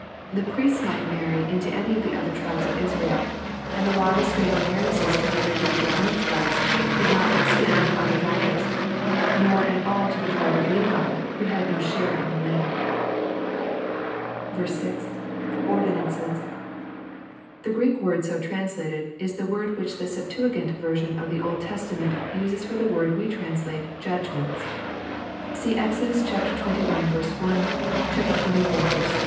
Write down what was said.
The priests might marry into any of the tribes of Israel ; and the law restraining heiresses to marry into their own tribes, did not extend to other daughters, nor at all to the tribe of Levi, who had no share in the land." 6. — [Ordinances.] The Greek word so translated, is the word which the Septuagint version of the Old Testament uses for the word we translate '^judgments." See Exod. xxi. 1 ; xxiv. 3.